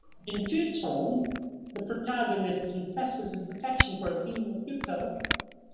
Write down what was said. In "Futon", the protagonist confesses his affection for a female pupil.